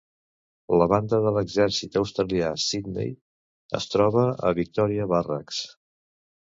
La banda de l'exèrcit australià Sydney es troba a Victoria Barracks.